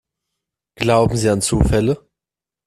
Glauben Sie an Zufälle?